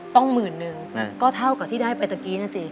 หมื่นนึงก็เท่ากับที่ได้ไปตะกี้นะสิ